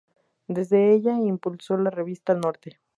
Desde ella impulsó la revista "Norte".